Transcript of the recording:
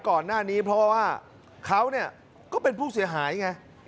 ก่อนหน้านี้เพราะว่าเขาก็เป็นผู้เสียหายไง